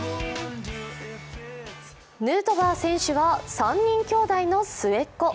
ヌートバー選手は３人きょうだいの末っ子。